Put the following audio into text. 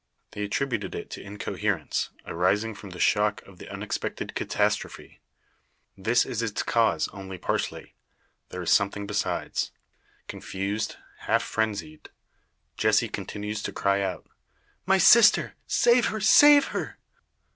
They attributed it to incoherence, arising from the shock of the unexpected catastrophe. This is its cause, only partially: there is something besides. Confused, half frenzied, Jessie continues to cry out: "My sister! Save her! save her!"